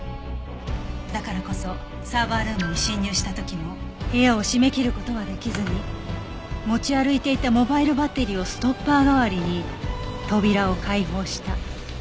だからこそサーバールームに侵入した時も部屋を閉めきる事はできずに持ち歩いていたモバイルバッテリーをストッパー代わりに扉を開放した。